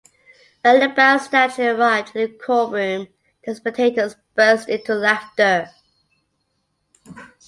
When the bound statue arrived in the courtroom, the spectators burst into laughter.